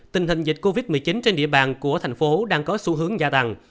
tình hình dịch covid một mươi chín trên địa bàn của thành phố đang có xu hướng gia tăng